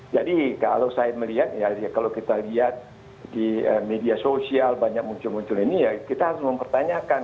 jadi kalau saya melihat ya kalau kita lihat di media sosial banyak muncul muncul ini ya kita harus mempertanyakan